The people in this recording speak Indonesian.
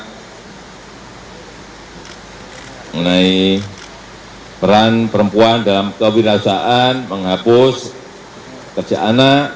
mengenai peran perempuan dalam kewirausahaan menghapus kerja anak